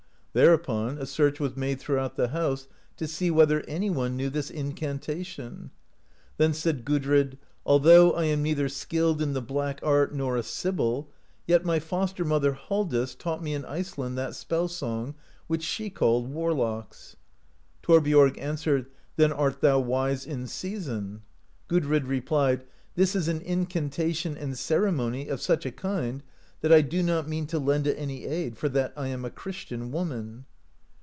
Thereupon a search was made throughout the house, to see whether any one knew this [incantation]. Then said Gudrid: "Although I am neither skilled in the black art nor a sibyl, yet my foster mother, Halldis, taught me in Ice land that spell song, which she called Warlocks." Thor biorg answered : "Then are thou wise in season !" Gudrid replied : "This is an incantation and ceremony of such a kind, that I do not mean to lend it any aid, for that I am a Christian woman."